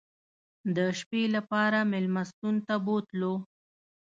د شپې لپاره مېلمستون ته بوتلو.